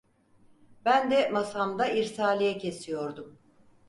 Ben de masamda irsaliye kesiyordum.